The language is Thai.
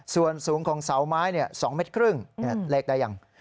ส่วนสูงของเสาไม้๒เมตรครึ่งเลขได้ยัง